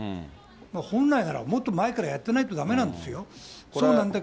本来ならもっと前からやってないとだめなんですよ。